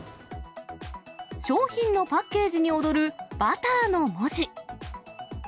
商品のパッケージに躍るバターの文字。